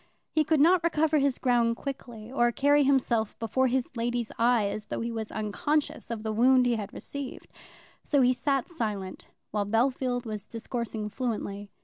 He could not recover his ground quickly, or carry himself before his lady's eye as though he was unconscious of the wound he had received. So he sat silent, while Bellfield was discoursing fluently.